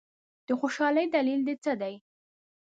د خوشالۍ دلیل دي څه دی؟